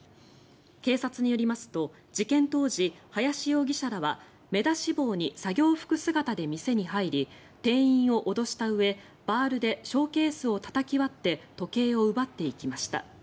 警察によりますと事件当時、林容疑者らは目出し帽に作業服姿で店に入り店員を脅したうえ、バールでショーケースをたたき割って時計を奪っていきました。